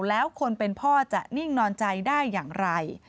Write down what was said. แล้วคนเป็นพ่อจะนิ่งนอนใจได้อย่างไร